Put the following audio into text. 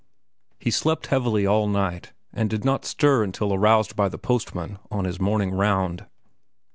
He slept heavily all night, and did not stir until aroused by the postman on his morning round.